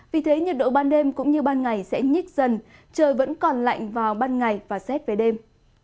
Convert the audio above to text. vì thế nhiệt độ ban đêm cũng như ban ngày sẽ nhích dần trời vẫn còn lạnh vào ban ngày và rét về đêm